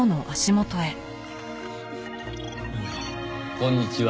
こんにちは。